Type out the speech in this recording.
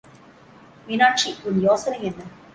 மீனாட்சி உன் யோசனை என்ன?